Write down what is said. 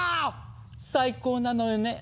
最高なのよね。